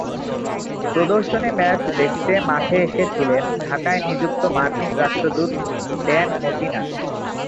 প্রদর্শনী ম্যাচ দেখতে মাঠে এসেছিলেন ঢাকায় নিযুক্ত মার্কিন রাষ্ট্রদূত ড্যান মজীনা।